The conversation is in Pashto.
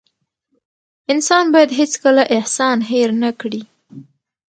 انسان بايد هيڅکله احسان هېر نه کړي .